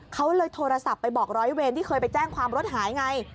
เขาเลยโทรศัพท์ไปบอกร้อยเวรที่เคยไปแจ้งความรถหายไง